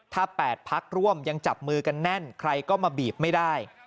ถ้า๘พักร่วมยังจับมือกันแน่นใครก็มาบีบไม่ได้